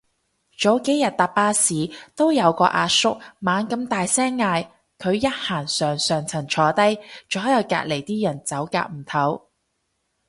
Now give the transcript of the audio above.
早幾日搭巴士都有個阿叔猛咁大聲嗌，佢一行上上層坐低，左右隔離啲人走夾唔唞